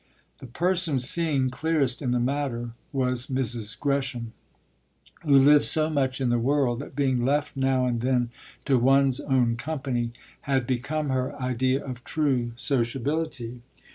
The person seeing clearest in the matter was Mrs. Gresham, who lived so much in the world that being left now and then to one's own company had become her idea of true sociability.